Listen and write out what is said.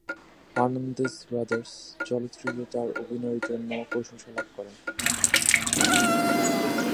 Fernandez "Brothers" চলচ্চিত্রে তার অভিনয়ের জন্য প্রশংসা লাভ করেন।